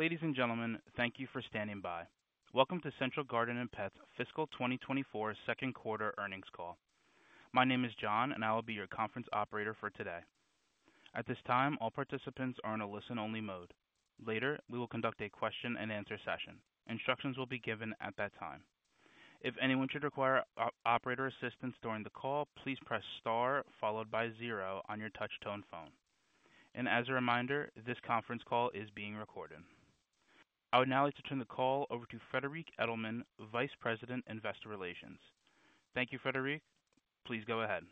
Ladies and gentlemen, thank you for standing by. Welcome to Central Garden and Pet Fiscal 2024 Q2 earnings call. My name is John, and I will be your conference operator for today. At this time, all participants are in a listen-only mode. Later, we will conduct a question-and-answer session. Instructions will be given at that time. If anyone should require operator assistance during the call, please press star followed by zero on your touchtone phone. As a reminder, this conference call is being recorded. I would now like to turn the call over to Friederike Edelmann, Vice President, Investor Relations. Thank you, Friederike. Please go ahead.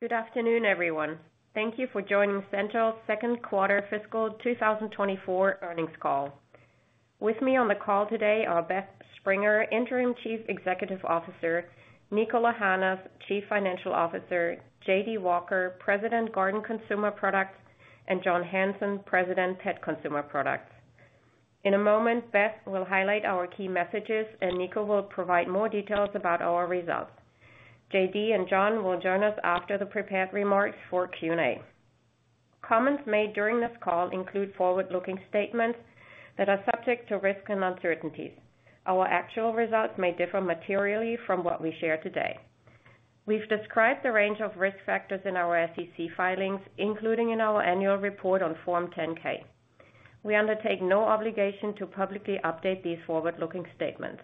Good afternoon, everyone. Thank you for joining Central's Q2 fiscal 2024 earnings call. With me on the call today are Beth Springer, Interim Chief Executive Officer, Niko Lahanas, Chief Financial Officer, J.D. Walker, President, Garden Consumer Products, and John Hanson, President, Pet Consumer Products. In a moment, Beth will highlight our key messages, and Niko will provide more details about our results. J.D. and John will join us after the prepared remarks for Q&A. Comments made during this call include forward-looking statements that are subject to risks and uncertainties. Our actual results may differ materially from what we share today. We've described the range of risk factors in our SEC filings, including in our annual report on Form 10-K. We undertake no obligation to publicly update these forward-looking statements.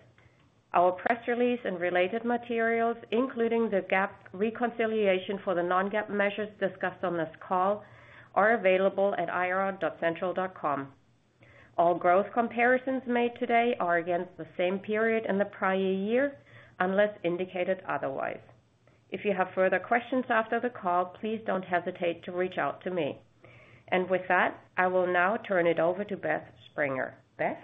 Our press release and related materials, including the GAAP reconciliation for the non-GAAP measures discussed on this call, are available at ir.central.com. All growth comparisons made today are against the same period in the prior year, unless indicated otherwise. If you have further questions after the call, please don't hesitate to reach out to me. And with that, I will now turn it over to Beth Springer. Beth?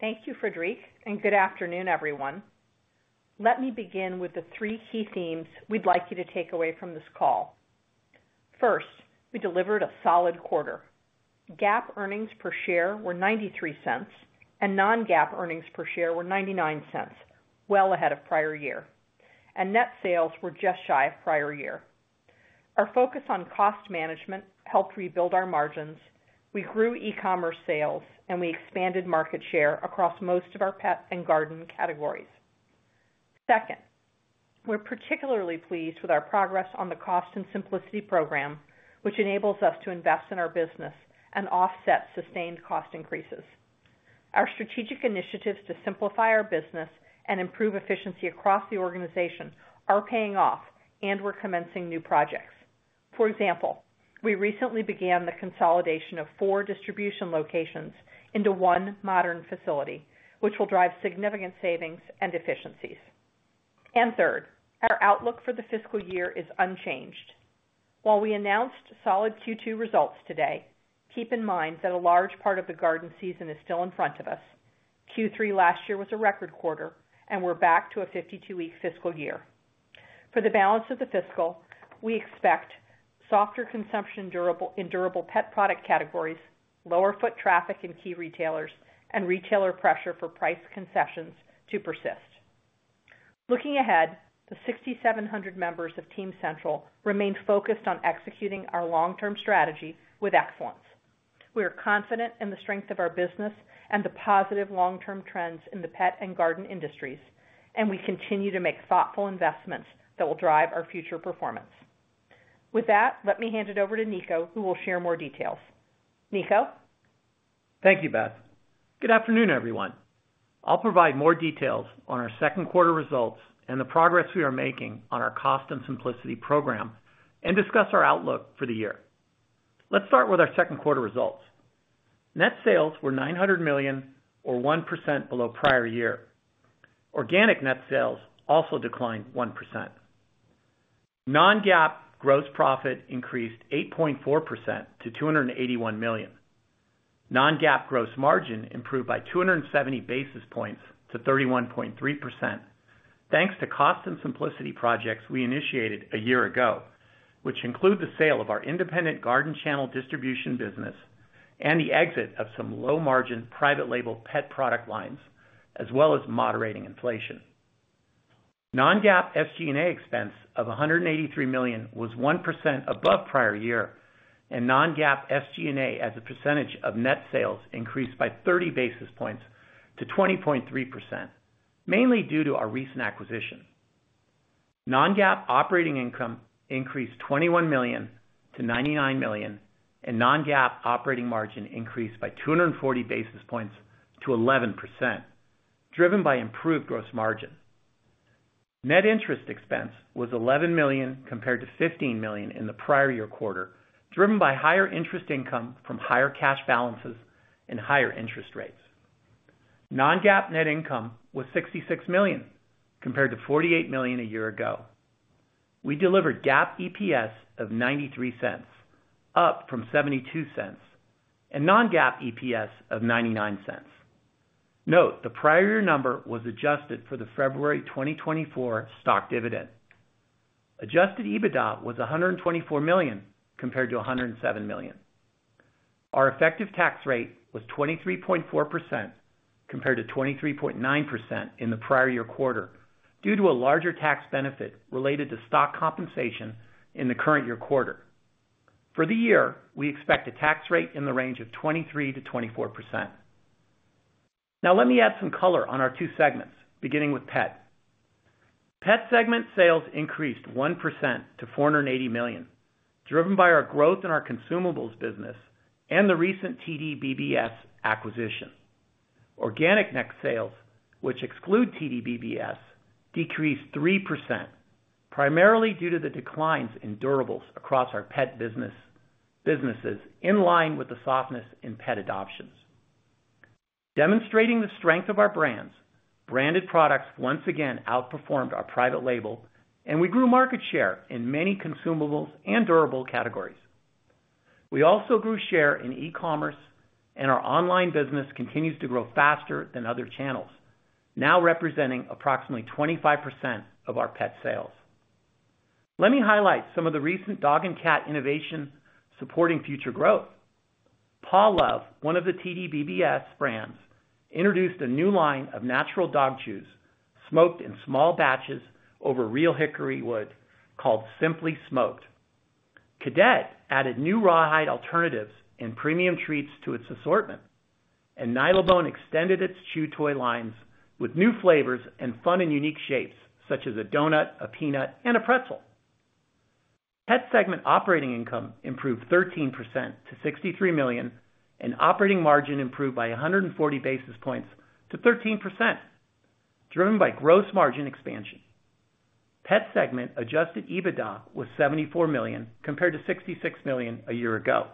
Thank you, Friederike, and good afternoon, everyone. Let me begin with the three key themes we'd like you to take away from this call. First, we delivered a solid quarter. GAAP earnings per share were $0.93, and non-GAAP earnings per share were $0.99, well ahead of prior year, and net sales were just shy of prior year. Our focus on cost management helped rebuild our margins. We grew e-commerce sales, and we expanded market share across most of our pet and garden categories. Second, we're particularly pleased with our progress on the Cost and Simplicity program, which enables us to invest in our business and offset sustained cost increases. Our strategic initiatives to simplify our business and improve efficiency across the organization are paying off, and we're commencing new projects. For example, we recently began the consolidation of 4 distribution locations into 1 modern facility, which will drive significant savings and efficiencies. And third, our outlook for the fiscal year is unchanged. While we announced solid Q2 results today, keep in mind that a large part of the garden season is still in front of us. Q3 last year was a record quarter, and we're back to a 52-week fiscal year. For the balance of the fiscal, we expect softer consumption durable, in durable pet product categories, lower foot traffic in key retailers, and retailer pressure for price concessions to persist. Looking ahead, the 6,700 members of Team Central remain focused on executing our long-term strategy with excellence. We are confident in the strength of our business and the positive long-term trends in the pet and garden industries, and we continue to make thoughtful investments that will drive our future performance. With that, let me hand it over to Niko, who will share more details. Niko? Thank you, Beth. Good afternoon, everyone. I'll provide more details on our Q2 results and the progress we are making on our Cost and Simplicity program and discuss our outlook for the year. Let's start with our Q2 results. Net sales were $900 million or 1% below prior year. Organic net sales also declined 1%. Non-GAAP gross profit increased 8.4% to $281 million. Non-GAAP gross margin improved by 270 basis points to 31.3%, thanks to Cost and Simplicity projects we initiated a year ago, which include the sale of our independent garden channel distribution business and the exit of some low-margin, private label pet product lines, as well as moderating inflation. Non-GAAP SG&A expense of $183 million was 1% above prior year, and non-GAAP SG&A, as a percentage of net sales, increased by 30 basis points to 20.3%, mainly due to our recent acquisition. Non-GAAP operating income increased $21 million-$99 million, and non-GAAP operating margin increased by 240 basis points to 11%, driven by improved gross margin. Net interest expense was $11 million, compared to $15 million in the prior year quarter, driven by higher interest income from higher cash balances and higher interest rates. Non-GAAP net income was $66 million, compared to $48 million a year ago. We delivered GAAP EPS of $0.93, up from $0.72, and non-GAAP EPS of $0.99. Note, the prior year number was adjusted for the February 2024 stock dividend. Adjusted EBITDA was $124 million, compared to $107 million. Our effective tax rate was 23.4%, compared to 23.9% in the prior year quarter, due to a larger tax benefit related to stock compensation in the current year quarter. For the year, we expect a tax rate in the range of 23%-24%. Now, let me add some color on our two segments, beginning with Pet. Pet segment sales increased 1% to $480 million, driven by our growth in our consumables business and the recent TDBBS acquisition. Organic net sales, which exclude TDBBS, decreased 3%, primarily due to the declines in durables across our pet businesses, in line with the softness in pet adoptions. Demonstrating the strength of our brands, branded products once again outperformed our private label, and we grew market share in many consumables and durable categories. We also grew share in e-commerce, and our online business continues to grow faster than other channels, now representing approximately 25% of our pet sales. Let me highlight some of the recent dog and cat innovations supporting future growth. Paw Love, one of the TDBBS brands, introduced a new line of natural dog chews, smoked in small batches over real hickory wood called Simply Smoked. Cadet added new rawhide alternatives and premium treats to its assortment, and Nylabone extended its chew toy lines with new flavors and fun and unique shapes, such as a donut, a peanut, and a pretzel. Pet segment operating income improved 13% to $63 million, and operating margin improved by 140 basis points to 13%, driven by gross margin expansion. Pet segment adjusted EBITDA was $74 million, compared to $66 million a year ago.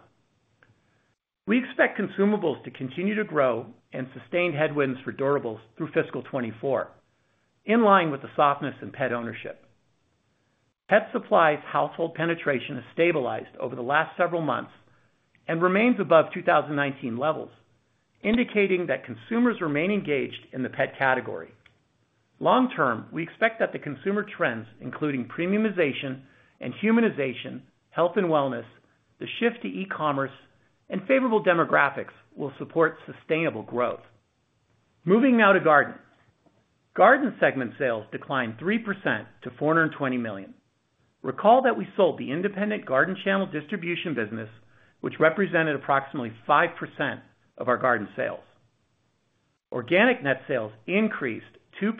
We expect consumables to continue to grow and sustain headwinds for durables through fiscal 2024, in line with the softness in pet ownership. Pet supplies household penetration has stabilized over the last several months and remains above 2019 levels, indicating that consumers remain engaged in the pet category. Long term, we expect that the consumer trends, including premiumization and humanization, health and wellness, the shift to e-commerce, and favorable demographics will support sustainable growth. Moving now to garden. Garden segment sales declined 3% to $420 million. Recall that we sold the independent garden channel distribution business, which represented approximately 5% of our garden sales. Organic net sales increased 2%,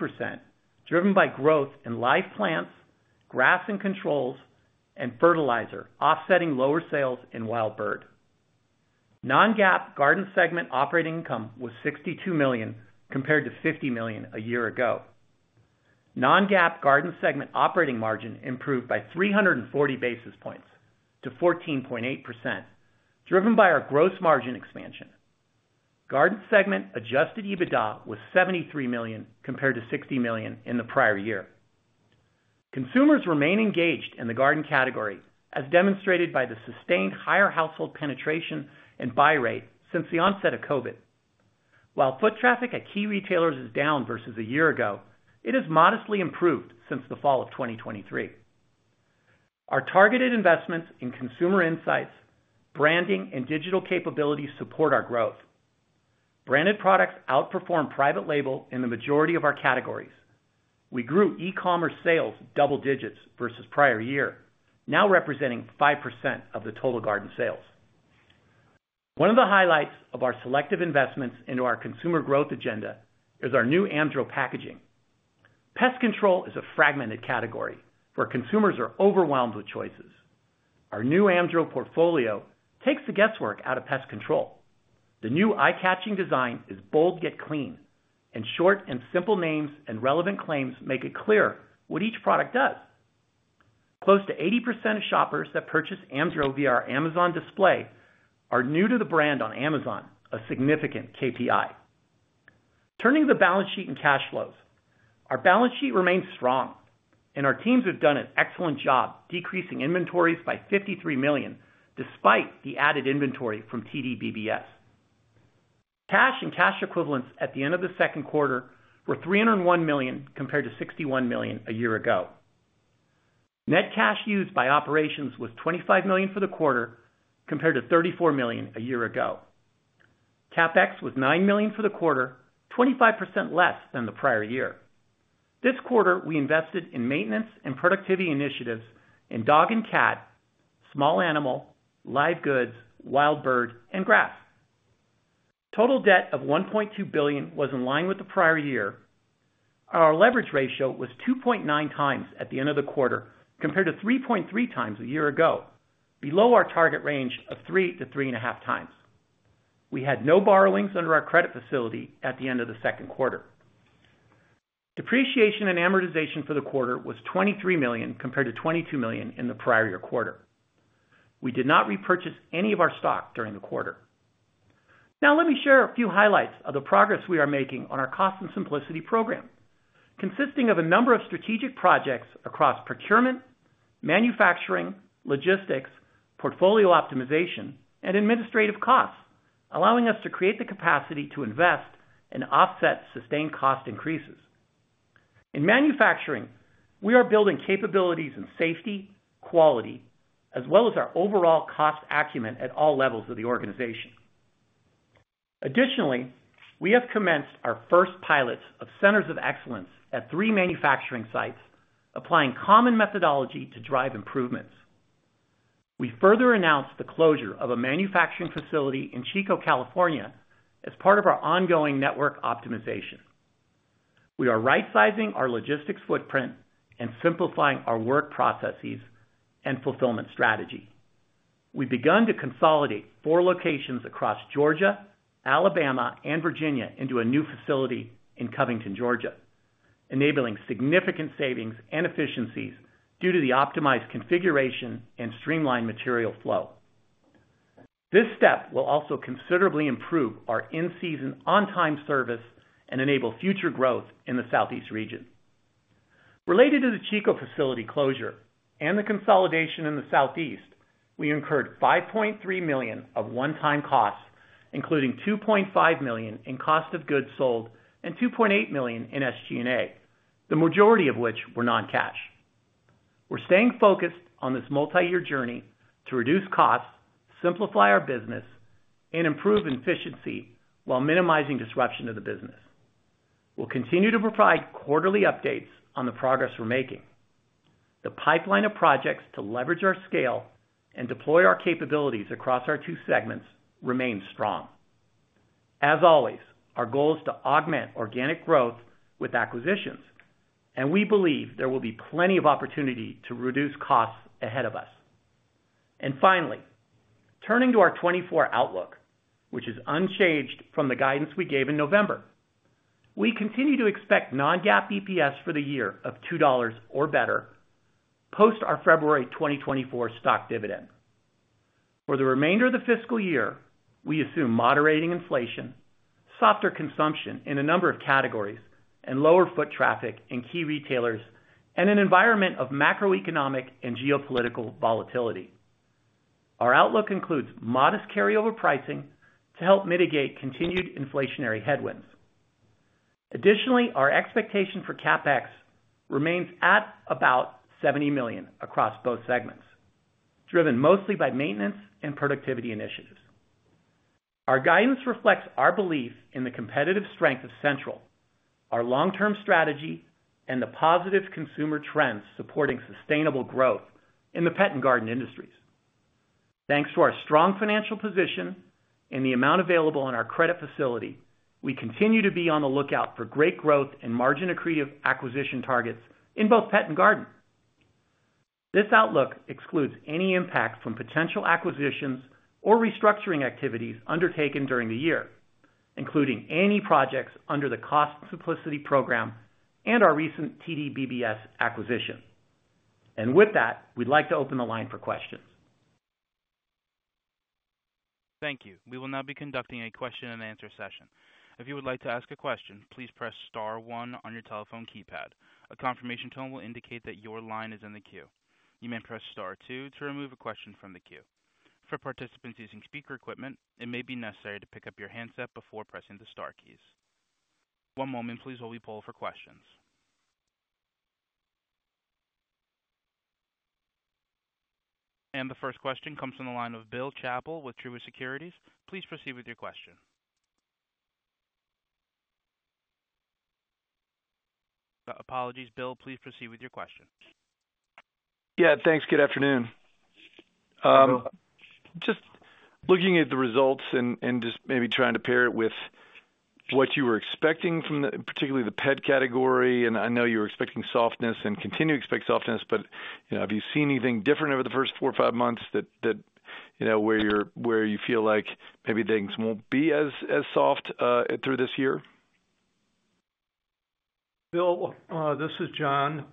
driven by growth in live plants, grass and controls, and fertilizer, offsetting lower sales in wild bird. Non-GAAP garden segment operating income was $62 million compared to $50 million a year ago. Non-GAAP garden segment operating margin improved by 340 basis points to 14.8%, driven by our gross margin expansion. Garden segment Adjusted EBITDA was $73 million, compared to $60 million in the prior year. Consumers remain engaged in the garden category, as demonstrated by the sustained higher household penetration and buy rate since the onset of COVID. While foot traffic at key retailers is down versus a year ago, it has modestly improved since the fall of 2023. Our targeted investments in consumer insights, branding, and digital capabilities support our growth. Branded products outperform private label in the majority of our categories. We grew e-commerce sales double digits versus prior year, now representing 5% of the total garden sales. One of the highlights of our selective investments into our consumer growth agenda is our new Amdro packaging. Pest control is a fragmented category, where consumers are overwhelmed with choices. Our new Amdro portfolio takes the guesswork out of pest control. The new eye-catching design is bold, yet clean, and short and simple names and relevant claims make it clear what each product does. Close to 80% of shoppers that purchase Amdro via our Amazon display are new to the brand on Amazon, a significant KPI. Turning to the balance sheet and cash flows. Our balance sheet remains strong, and our teams have done an excellent job decreasing inventories by $53 million, despite the added inventory from TDBBS. Cash and cash equivalents at the end of the Q2 were $301 million, compared to $61 million a year ago. Net cash used by operations was $25 million for the quarter, compared to $34 million a year ago. CapEx was $9 million for the quarter, 25% less than the prior year. This quarter, we invested in maintenance and productivity initiatives in dog and cat, small animal, live goods, wild bird, and grass. Total debt of $1.2 billion was in line with the prior year. Our leverage ratio was 2.9 times at the end of the quarter, compared to 3.3 times a year ago, below our target range of 3-3.5 times. We had no borrowings under our credit facility at the end of the Q2. Depreciation and amortization for the quarter was $23 million, compared to $22 million in the prior year quarter. We did not repurchase any of our stock during the quarter. Now, let me share a few highlights of the progress we are making on our cost and simplicity program, consisting of a number of strategic projects across procurement, manufacturing, logistics, portfolio optimization, and administrative costs, allowing us to create the capacity to invest and offset sustained cost increases. In manufacturing, we are building capabilities in safety, quality, as well as our overall cost acumen at all levels of the organization. Additionally, we have commenced our first pilots of centers of excellence at 3 manufacturing sites, applying common methodology to drive improvements. We further announced the closure of a manufacturing facility in Chico, California, as part of our ongoing network optimization. We are rightsizing our logistics footprint and simplifying our work processes and fulfillment strategy. We've begun to consolidate four locations across Georgia, Alabama, and Virginia into a new facility in Covington, Georgia, enabling significant savings and efficiencies due to the optimized configuration and streamlined material flow. This step will also considerably improve our in-season, on-time service and enable future growth in the Southeast region. Related to the Chico facility closure and the consolidation in the Southeast, we incurred $5.3 million of one-time costs, including $2.5 million in cost of goods sold and $2.8 million in SG&A, the majority of which were non-cash. We're staying focused on this multi-year journey to reduce costs, simplify our business, and improve efficiency while minimizing disruption to the business. We'll continue to provide quarterly updates on the progress we're making. The pipeline of projects to leverage our scale and deploy our capabilities across our two segments remains strong. As always, our goal is to augment organic growth with acquisitions, and we believe there will be plenty of opportunity to reduce costs ahead of us. And finally, turning to our 2024 outlook, which is unchanged from the guidance we gave in November, we continue to expect non-GAAP EPS for the year of $2 or better, post our February 2024 stock dividend. For the remainder of the fiscal year, we assume moderating inflation, softer consumption in a number of categories, and lower foot traffic in key retailers, and an environment of macroeconomic and geopolitical volatility. Our outlook includes modest carryover pricing to help mitigate continued inflationary headwinds. Additionally, our expectation for CapEx remains at about $70 million across both segments, driven mostly by maintenance and productivity initiatives. Our guidance reflects our belief in the competitive strength of Central, our long-term strategy, and the positive consumer trends supporting sustainable growth in the pet and garden industries. Thanks to our strong financial position and the amount available on our credit facility, we continue to be on the lookout for great growth and margin accretive acquisition targets in both pet and garden. This outlook excludes any impact from potential acquisitions or restructuring activities undertaken during the year, including any projects under the Cost Simplicity program and our recent TDBBS acquisition. With that, we'd like to open the line for questions. Thank you. We will now be conducting a question-and-answer session. If you would like to ask a question, please press star one on your telephone keypad. A confirmation tone will indicate that your line is in the queue. You may press star two to remove a question from the queue. For participants using speaker equipment, it may be necessary to pick up your handset before pressing the star keys. One moment, please, while we poll for questions. And the first question comes from the line of Bill Chappell with Truist Securities. Please proceed with your question. Apologies, Bill. Please proceed with your question. Yeah, thanks. Good afternoon. Just looking at the results and, and just maybe trying to pair it with what you were expecting from the, particularly the pet category. And I know you were expecting softness and continue to expect softness, but, you know, have you seen anything different over the first four or five months that, you know, where you're where you feel like maybe things won't be as soft through this year? Bill, this is John.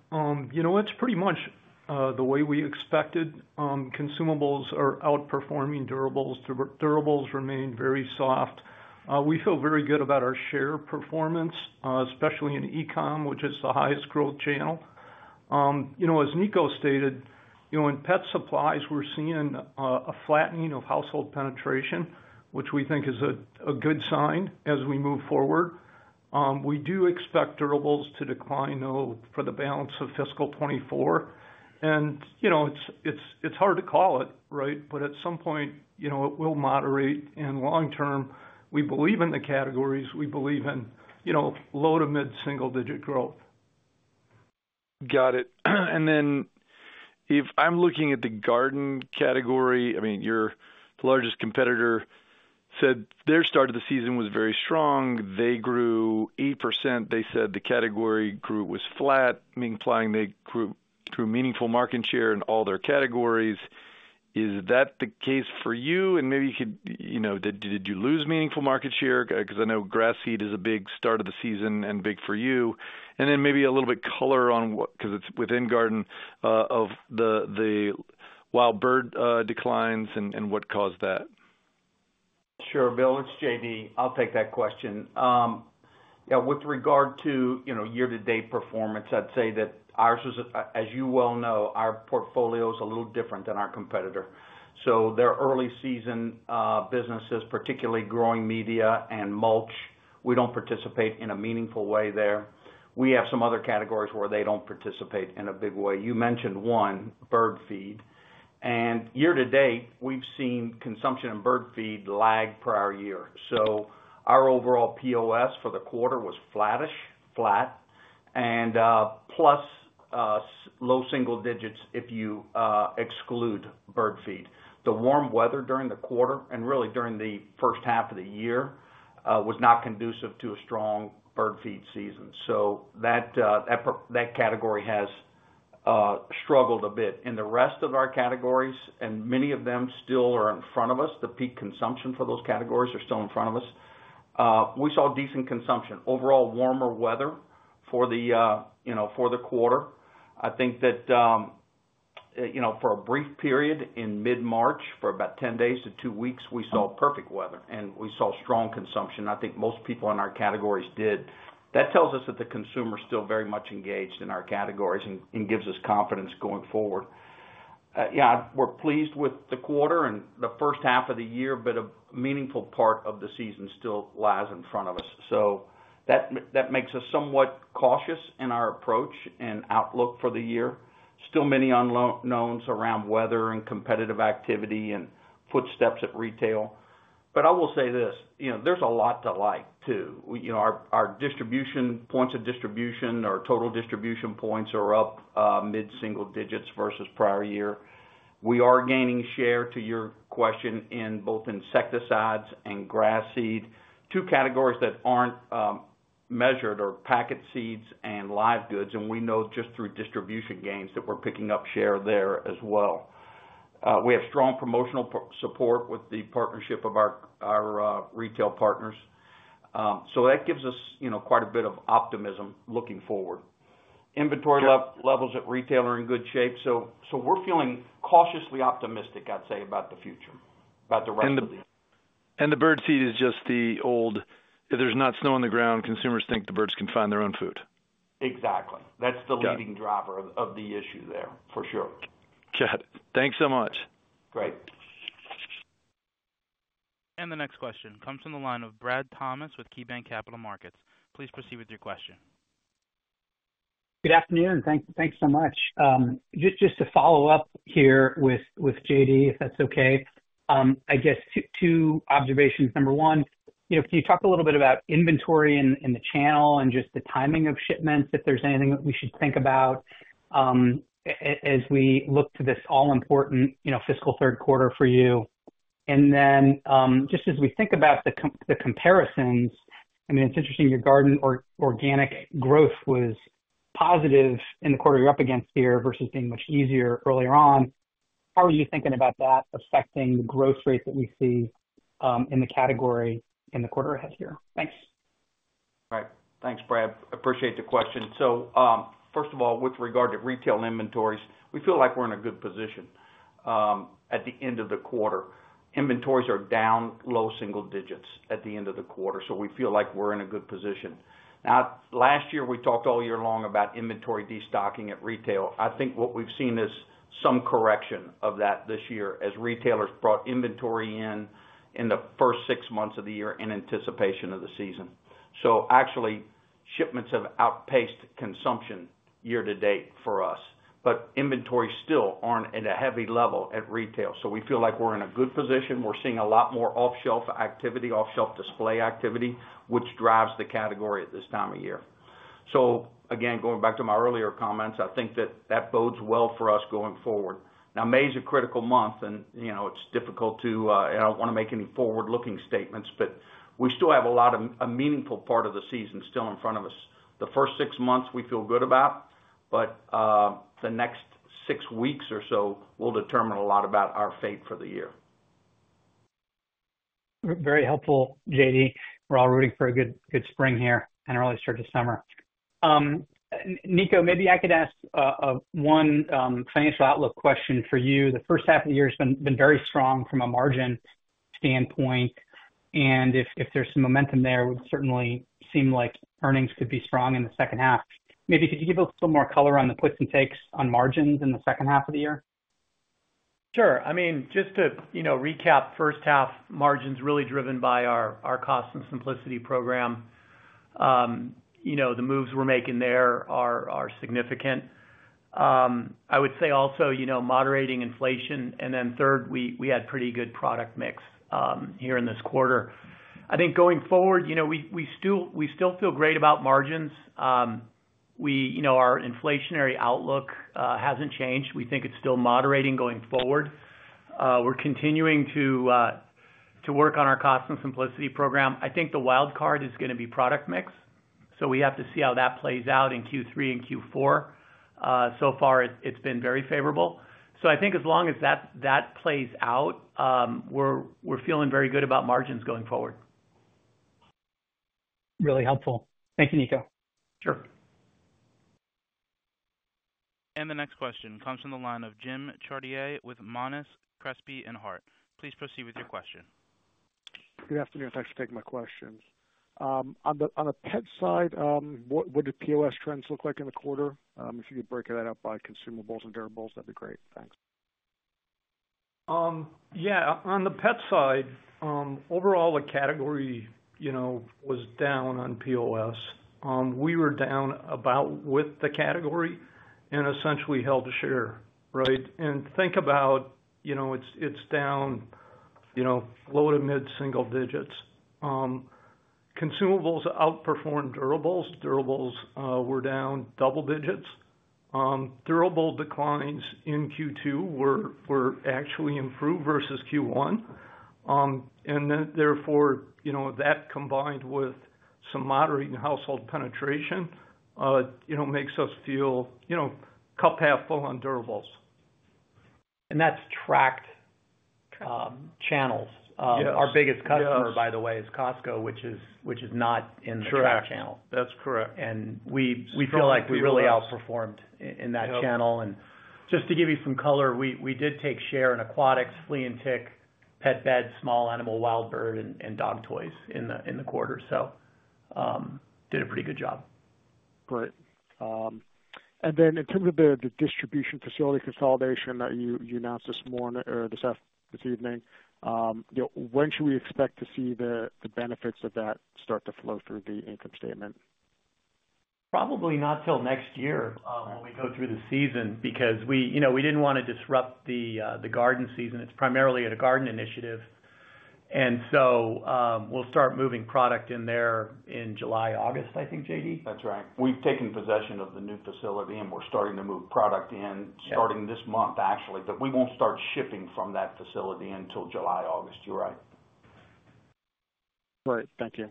You know, it's pretty much the way we expected. Consumables are outperforming durables. Durables remain very soft. We feel very good about our share performance, especially in e-com, which is the highest growth channel. You know, as Niko stated, you know, in pet supplies, we're seeing a flattening of household penetration, which we think is a good sign as we move forward. We do expect durables to decline, though, for the balance of fiscal 2024. And, you know, it's hard to call it, right? But at some point, you know, it will moderate. In long term, we believe in the categories, we believe in, you know, low- to mid-single-digit growth. Got it. And then if I'm looking at the garden category, I mean, your largest competitor said their start of the season was very strong. They grew 8%. They said the category group was flat, implying they grew meaningful market share in all their categories. Is that the case for you? And maybe you could, you know, did you lose meaningful market share? Because I know grass seed is a big start of the season and big for you. And then maybe a little bit color on what... 'cause it's within garden, of the, the wild bird, declines and, and what caused that. Sure, Bill, it's J.D. I'll take that question. Yeah, with regard to, you know, year-to-date performance, I'd say that ours is, as you well know, our portfolio is a little different than our competitor. So their early season businesses, particularly growing media and mulch, We don't participate in a meaningful way there. We have some other categories where they don't participate in a big way. You mentioned one, bird feed, and year-to-date, we've seen consumption in bird feed lag prior year. So our overall POS for the quarter was flattish, flat, and, plus, low single digits, if you exclude bird feed. The warm weather during the quarter, and really during the first half of the year, was not conducive to a strong bird feed season. So that, that category has struggled a bit. In the rest of our categories, and many of them still are in front of us, the peak consumption for those categories are still in front of us, we saw decent consumption. Overall, warmer weather for the, you know, for the quarter. I think that, you know, for a brief period in mid-March, for about 10 days to 2 weeks, we saw perfect weather, and we saw strong consumption. I think most people in our categories did. That tells us that the consumer is still very much engaged in our categories and gives us confidence going forward. Yeah, we're pleased with the quarter and the first half of the year, but a meaningful part of the season still lies in front of us. So that makes us somewhat cautious in our approach and outlook for the year. Still many unknowns around weather and competitive activity and footprint at retail. But I will say this, you know, there's a lot to like, too. We, you know, our, our distribution, points of distribution, our total distribution points are up, mid-single digits versus prior year. We are gaining share, to your question, in both insecticides and grass seed. Two categories that aren't measured are packet seeds and live goods, and we know just through distribution gains that we're picking up share there as well. We have strong promotional support with the partnership of our retail partners. So that gives us, you know, quite a bit of optimism looking forward. Inventory levels at retailer are in good shape, so we're feeling cautiously optimistic, I'd say, about the future, about the rest of the year. The bird seed is just the old, if there's not snow on the ground, consumers think the birds can find their own food? Exactly. Got it. That's the leading driver of the issue there, for sure. Got it. Thanks so much. Great. The next question comes from the line of Brad Thomas with KeyBanc Capital Markets. Please proceed with your question. Good afternoon. Thanks so much. Just to follow up here with J.D., if that's okay. I guess two observations. Number one, you know, can you talk a little bit about inventory in the channel and just the timing of shipments, if there's anything that we should think about, as we look to this all important, you know, fiscal Q3 for you? And then, just as we think about the comparisons, I mean, it's interesting, your garden organic growth was positive in the quarter you're up against here versus being much easier earlier on. How are you thinking about that affecting the growth rates that we see, in the category in the quarter ahead here? Thanks. All right. Thanks, Brad. Appreciate the question. So, first of all, with regard to retail inventories, we feel like we're in a good position, at the end of the quarter. Inventories are down low single digits at the end of the quarter, so we feel like we're in a good position. Now, last year, we talked all year long about inventory destocking at retail. I think what we've seen is some correction of that this year as retailers brought inventory in, in the first six months of the year in anticipation of the season. So actually, shipments have outpaced consumption year to date for us, but inventories still aren't at a heavy level at retail. So we feel like we're in a good position. We're seeing a lot more off-shelf activity, off-shelf display activity, which drives the category at this time of year. So again, going back to my earlier comments, I think that that bodes well for us going forward. Now, May is a critical month, and you know, it's difficult to, I don't wanna make any forward-looking statements, but we still have a lot of... a meaningful part of the season still in front of us. The first six months, we feel good about, but, the next six weeks or so will determine a lot about our fate for the year. Very helpful, J.D. We're all rooting for a good, good spring here and early start to summer. Niko, maybe I could ask one financial outlook question for you. The first half of the year has been very strong from a margin standpoint, and if there's some momentum there, would certainly seem like earnings could be strong in the second half. Maybe could you give us some more color on the puts and takes on margins in the second half of the year? Sure. I mean, just to, you know, recap, first half margins really driven by our Cost and Simplicity program. You know, the moves we're making there are significant. I would say also, you know, moderating inflation, and then third, we had pretty good product mix here in this quarter. I think going forward, you know, we still feel great about margins. You know, our inflationary outlook hasn't changed. We think it's still moderating going forward. We're continuing to work on our Cost and Simplicity program. I think the wild card is gonna be product mix, so we have to see how that plays out in Q3 and Q4. So far, it's been very favorable. I think as long as that plays out, we're feeling very good about margins going forward. Really helpful. Thank you, Niko. Sure. And the next question comes from the line of Jim Chartier with Monness, Crespi, Hardt. Please proceed with your question. Good afternoon. Thanks for taking my questions. On the pet side, what do POS trends look like in the quarter? If you could break that up by consumables and durables, that'd be great. Thanks. Yeah, on the pet side, overall, the category, you know, was down on POS. We were down about with the category and essentially held a share, right? Think about, you know, it's down, you know, low to mid single digits. Consumables outperformed durables. Durables were down double digits. Durable declines in Q2 were actually improved versus Q1. And then therefore, you know, that combined with some moderate in household penetration, you know, makes us feel, you know, cup half full on durables. And that's tracked channels. Yes. Our biggest customer, by the way, is Costco, which is not in the rack channel. That's correct. We feel like we really outperformed in that channel. Yep. Just to give you some color, we did take share in aquatics, flea and tick, pet bed, small animal, wild bird, and dog toys in the quarter. So, did a pretty good job. Great. And then in terms of the distribution facility consolidation that you announced this morning or this evening, you know, when should we expect to see the benefits of that start to flow through the income statement? Probably not till next year, when we go through the season, because we, you know, we didn't wanna disrupt the garden season. It's primarily a garden initiative, and so we'll start moving product in there in July, August, I think, J.D.? That's right. We've taken possession of the new facility, and we're starting to move product in- Yeah starting this month, actually. But we won't start shipping from that facility until July, August. You're right. Great. Thank you.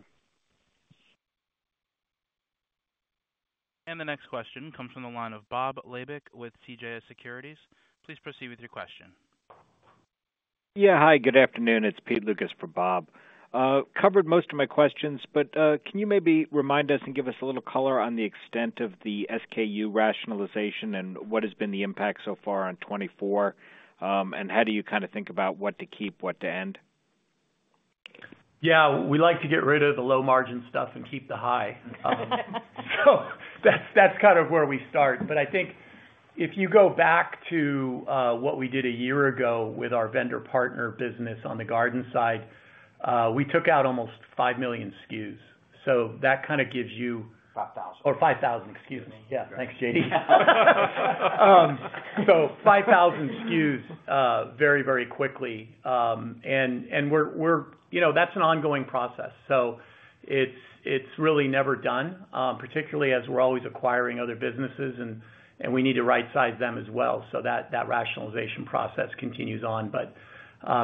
The next question comes from the line of Bob Labick with CJS Securities. Please proceed with your question. Yeah. Hi, good afternoon. It's Pete Lucas for Bob. Covered most of my questions, but can you maybe remind us and give us a little color on the extent of the SKU rationalization, and what has been the impact so far on 2024? And how do you kinda think about what to keep, what to end? Yeah, we like to get rid of the low-margin stuff and keep the high. So that's, that's kind of where we start. But I think if you go back to what we did a year ago with our vendor partner business on the garden side, we took out almost 5 million SKUs. So that kinda gives you- Five thousand. Or 5,000. Excuse me. Yeah. Thanks, J.D. So 5,000 SKUs, very, very quickly. And, and we're, we're -- you know, that's an ongoing process, so it's, it's really never done, particularly as we're always acquiring other businesses and, and we need to rightsize them as well, so that, that rationalization process continues on. But,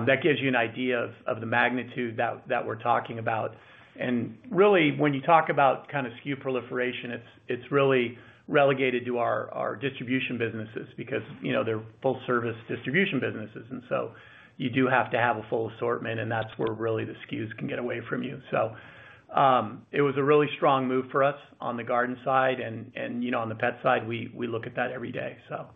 that gives you an idea of, of the magnitude that, that we're talking about. And really, when you talk about kind of SKU proliferation, it's, it's really relegated to our, our distribution businesses because, you know, they're full-service distribution businesses, and so you do have to have a full assortment, and that's where really the SKUs can get away from you. So, it was a really strong move for us on the garden side and, and, you know, on the pet side, we, we look at that every day, so.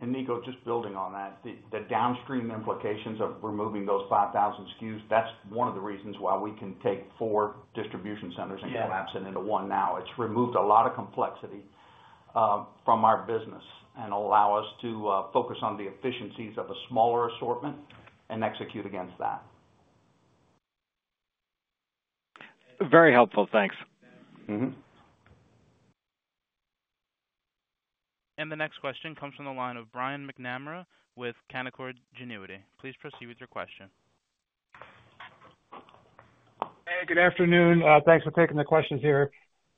And Niko, just building on that, the downstream implications of removing those 5,000 SKUs, that's one of the reasons why we can take four distribution centers- Yeah And collapse it into one now. It's removed a lot of complexity from our business and allow us to focus on the efficiencies of a smaller assortment and execute against that. Very helpful. Thanks. Mm-hmm. The next question comes from the line of Brian McNamara with Canaccord Genuity. Please proceed with your question. Hey, good afternoon. Thanks for taking the questions here.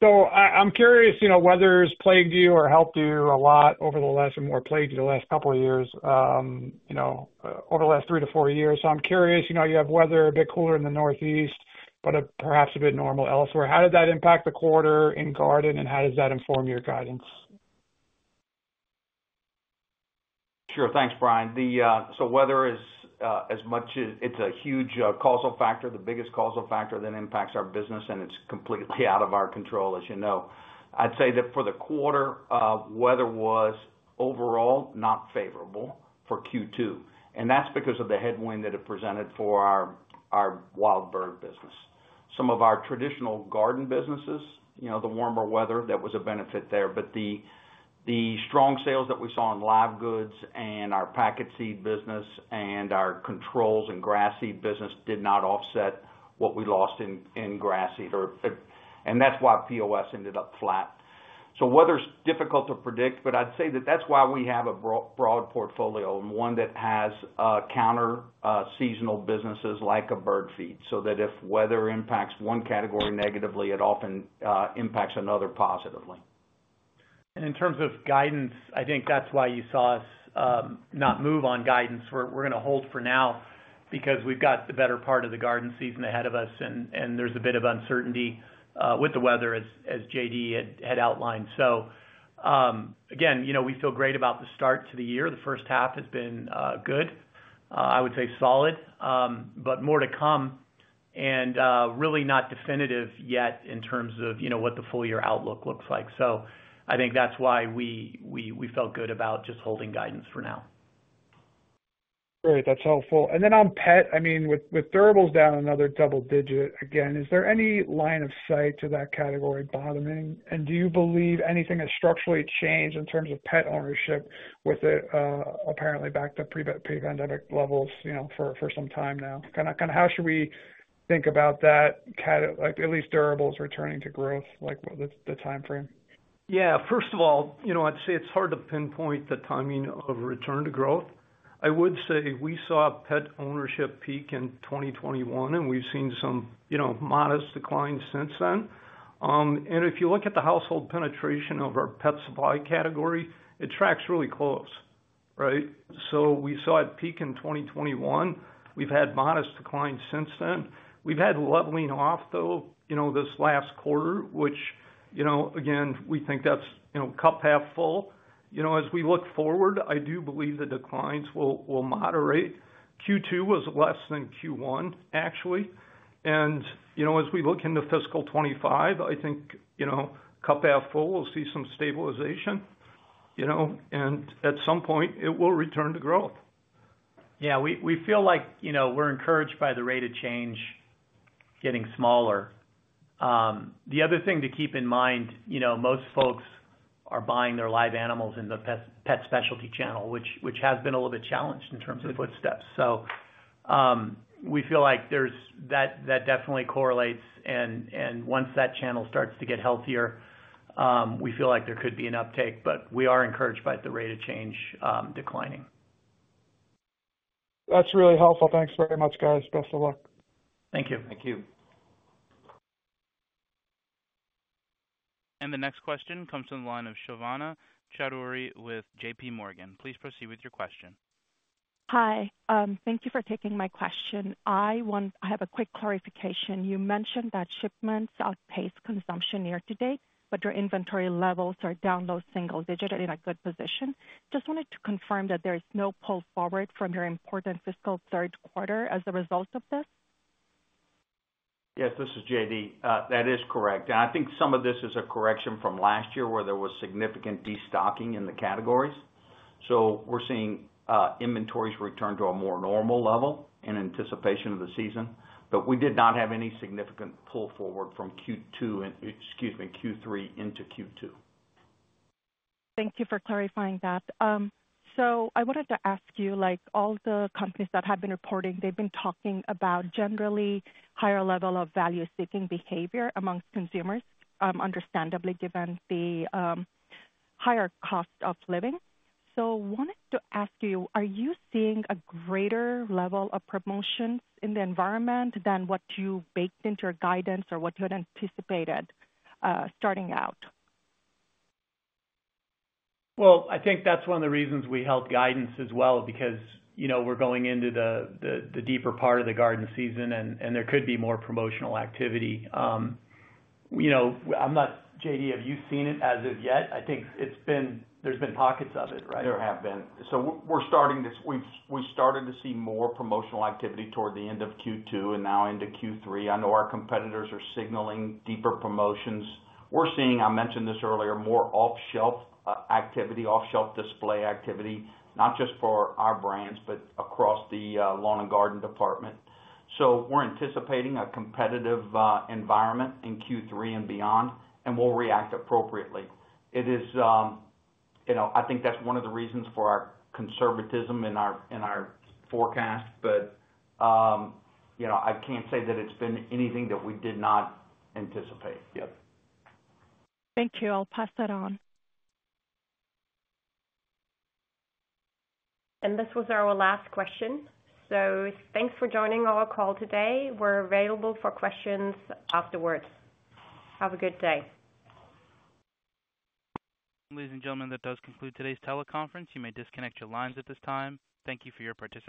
So I'm curious, you know, weather's plagued you or helped you a lot over the last or more plagued you the last couple of years, you know, over the last 3-4 years. So I'm curious, you know, you have weather a bit cooler in the Northeast, but perhaps a bit normal elsewhere. How did that impact the quarter in garden, and how does that inform your guidance? Sure. Thanks, Brian. Weather is, as much as—it's a huge causal factor, the biggest causal factor that impacts our business, and it's completely out of our control, as you know. I'd say that for the quarter, weather was overall not favorable for Q2, and that's because of the headwind that it presented for our wild bird business. Some of our traditional garden businesses, you know, the warmer weather, that was a benefit there. But the strong sales that we saw in live goods and our packet seed business and our controls and grass seed business did not offset what we lost in grass seed or, and that's why POS ended up flat. Weather's difficult to predict, but I'd say that's why we have a broad portfolio and one that has counter seasonal businesses like a bird feed, so that if weather impacts one category negatively, it often impacts another positively. In terms of guidance, I think that's why you saw us not move on guidance. We're gonna hold for now because we've got the better part of the garden season ahead of us, and there's a bit of uncertainty with the weather as J.D. had outlined. So, again, you know, we feel great about the start to the year. The first half has been good, I would say solid, but more to come and really not definitive yet in terms of, you know, what the full year outlook looks like. So I think that's why we felt good about just holding guidance for now. Great. That's helpful. And then on pet, I mean, with, with durables down another double digit, again, is there any line of sight to that category bottoming? And do you believe anything has structurally changed in terms of pet ownership with it, apparently back to pre-pandemic levels, you know, for, for some time now? Kinda, kinda how should we think about that category, like, at least durables returning to growth, like, what the timeframe? Yeah, first of all, you know, I'd say it's hard to pinpoint the timing of return to growth. I would say we saw pet ownership peak in 2021, and we've seen some, you know, modest decline since then. And if you look at the household penetration of our pet supply category, it tracks really close, right? So we saw it peak in 2021. We've had modest decline since then. We've had leveling off, though, you know, this last quarter, which, you know, again, we think that's, you know, cup half full. You know, as we look forward, I do believe the declines will, will moderate. Q2 was less than Q1, actually. And, you know, as we look into fiscal 2025, I think, you know, cup half full, we'll see some stabilization, you know, and at some point it will return to growth. Yeah, we feel like, you know, we're encouraged by the rate of change getting smaller. The other thing to keep in mind, you know, most folks are buying their live animals in the pet specialty channel, which has been a little bit challenged in terms of footsteps. So, we feel like there's that that definitely correlates and once that channel starts to get healthier, we feel like there could be an uptake, but we are encouraged by the rate of change declining. That's really helpful. Thanks very much, guys. Best of luck. Thank you. Thank you. The next question comes from the line of Shivani Chaudhary with JPMorgan. Please proceed with your question. Hi, thank you for taking my question. I want—I have a quick clarification. You mentioned that shipments outpaced consumption year to date, but your inventory levels are down low single digit in a good position. Just wanted to confirm that there is no pull forward from your important fiscal Q3 as a result of this? Yes, this is J.D. That is correct. And I think some of this is a correction from last year, where there was significant destocking in the categories. So we're seeing inventories return to a more normal level in anticipation of the season, but we did not have any significant pull forward from Q2 and excuse me, Q3 into Q2. Thank you for clarifying that. So I wanted to ask you, like, all the companies that have been reporting, they've been talking about generally higher level of value-seeking behavior among consumers, understandably, given the higher cost of living. So wanted to ask you, are you seeing a greater level of promotions in the environment than what you've baked into your guidance or what you had anticipated, starting out? Well, I think that's one of the reasons we held guidance as well, because, you know, we're going into the deeper part of the garden season and there could be more promotional activity. You know, I'm not, J.D., have you seen it as of yet? I think it's been. There's been pockets of it, right? There have been. So we're starting to. We've started to see more promotional activity toward the end of Q2 and now into Q3. I know our competitors are signaling deeper promotions. We're seeing, I mentioned this earlier, more off-shelf activity, off-shelf display activity, not just for our brands, but across the lawn and garden department. So we're anticipating a competitive environment in Q3 and beyond, and we'll react appropriately. It is, you know, I think that's one of the reasons for our conservatism in our forecast. But, you know, I can't say that it's been anything that we did not anticipate yet. Thank you. I'll pass that on. This was our last question, so thanks for joining our call today. We're available for questions afterwards. Have a good day. Ladies and gentlemen, that does conclude today's teleconference. You may disconnect your lines at this time. Thank you for your participation.